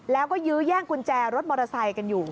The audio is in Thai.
แล้วก็ยื้อแย่งกุญแจรถมอเตอร์ไซค์กันอยู่